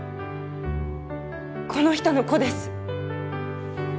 この人の子です